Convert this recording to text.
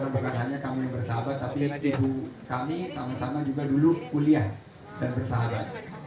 bukan hanya kami bersahabat tapi ibu kami sama sama juga dulu kuliah dan bersahabat